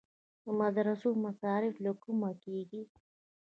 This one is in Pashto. د مدرسو مصارف له کومه کیږي؟